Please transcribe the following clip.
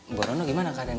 mbok morono gimana keadaan ini